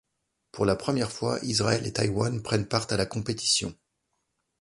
Pour la première fois, Israël et Taiwan prennent part à la compétition.